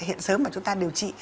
hiện sớm mà chúng ta điều trị